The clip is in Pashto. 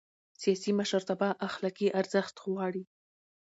سیاسي مشرتابه اخلاقي ارزښت غواړي